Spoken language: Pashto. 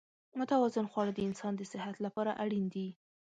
متوازن خواړه د انسان د صحت لپاره اړین دي.